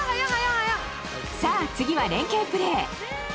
さぁ次は連携プレー。